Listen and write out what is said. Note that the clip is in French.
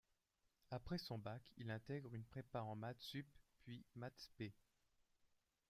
Après son bac, il intègre une prépa en maths sup, puis maths spé.